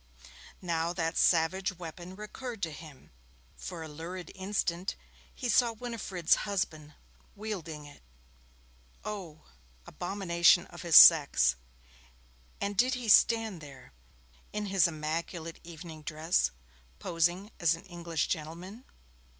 Now that savage weapon recurred to him for a lurid instant he saw Winifred's husband wielding it. Oh, abomination of his sex! And did he stand there, in his immaculate evening dress, posing as an English gentleman?